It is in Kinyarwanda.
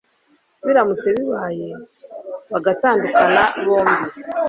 biramutse bibayeho bagatandukana, bombi